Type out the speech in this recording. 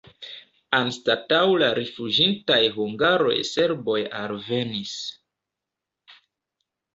Anstataŭ la rifuĝintaj hungaroj serboj alvenis.